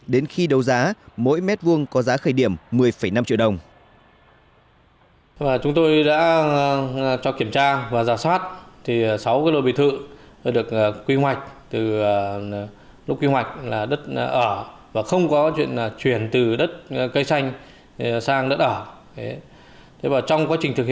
đến khi đầu giá mỗi mét vuông có giá khởi điểm một mươi năm triệu đồng